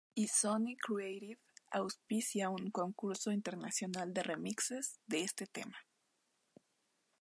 Y Sony Creative auspicia un concurso Internacional de Remixes de este tema.